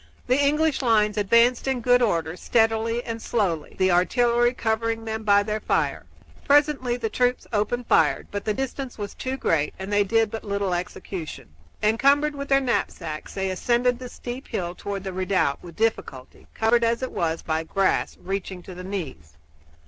The English lines advanced in good order, steadily and slowly, the artillery covering them by their fire. Presently the troops opened fire, but the distance was too great and they did but little execution. Encumbered with their knapsacks they ascended the steep hill toward the redoubt with difficulty, covered, as it was, by grass reaching to the knees.